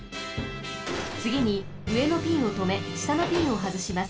つぎにうえのピンをとめしたのピンをはずします。